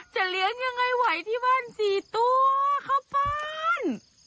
เลี้ยงยังไงไหวที่บ้าน๔ตัวเข้าบ้าน